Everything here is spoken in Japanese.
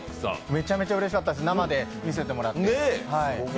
めちゃくちゃうれしかったです、生で見せてもらって。